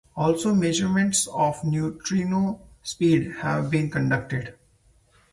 Also measurements of neutrino speed have been conducted.